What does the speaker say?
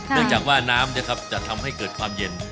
เนื่องจากว่าน้ำจะทำให้เกิดความเย็น